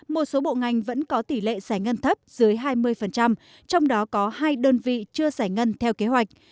một số bộ ngành vẫn có tỷ lệ giải ngân thấp dưới hai mươi trong đó có hai đơn vị chưa giải ngân theo kế hoạch